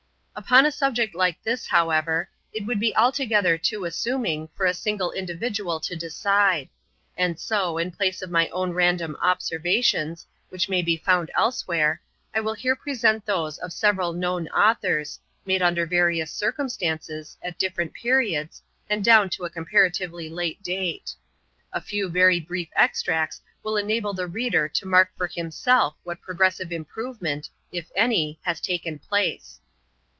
Upon a subject like this, however, it would be altogether too assuming for a single individual to decide ; and so, in place, of my own random observations, which may be found elsewhere, I will here present those of several known authors, made under various circumstances, at different periods, and down to a com paratively late date. A few very brief extracts will enable the reader to mark for himself what progressive improvement, if any, has taken place.